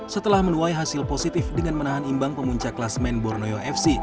setelah menuai hasil positif dengan menahan imbang pemuncak kelas main bornoyo fc